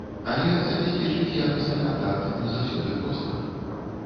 Але забяспечыць якасны кантакт не заўсёды проста.